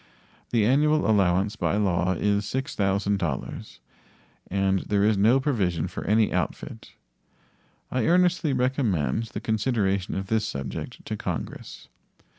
The annual allowance by law is $6,000, and there is no provision for any outfit. I earnestly recommend the consideration of this subject to Congress.